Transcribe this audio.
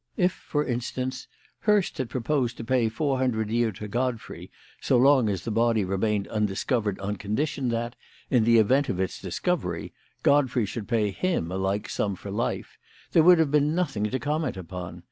If, for instance, Hurst had proposed to pay four hundred a year to Godfrey so long as the body remained undiscovered on condition that, in the event of its discovery, Godfrey should pay him a like sum for life, there would have been nothing to comment upon.